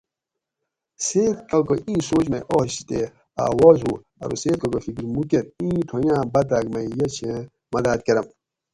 "سید کاکاۤ ایں سوچ مئ آش تے اۤ آواز ہُو ارو ""سید کاکا فکر مُو کرۤ اِیں ٹھونگاۤں باۤتاۤگ مئ یہ چھیں مداۤد کرۤم"""